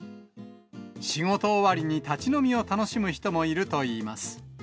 仕事終わりに立ち飲みを楽しむ人もいるといいます。